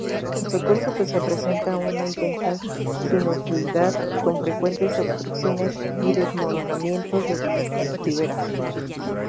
Su curso presenta una intensa sinuosidad con frecuentes obstrucciones y desmoronamiento de riberas.